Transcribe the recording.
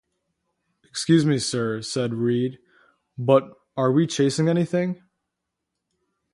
"Excuse me, sir," said Read, "but are we chasing anything?"